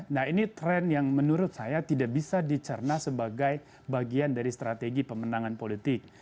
nah ini tren yang menurut saya tidak bisa dicerna sebagai bagian dari strategi pemenangan politik